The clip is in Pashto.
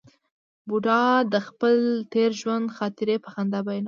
بوډا د خپل تېر ژوند خاطرې په خندا بیانولې.